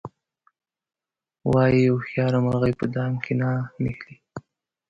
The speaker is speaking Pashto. وایي هوښیاره مرغۍ په دام کې نه نښلي.